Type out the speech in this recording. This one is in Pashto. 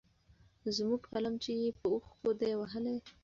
زموږ قلم چي يې په اوښکو دی وهلی